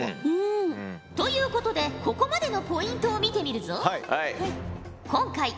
うん。ということでここまでのポイントを見てみるぞ。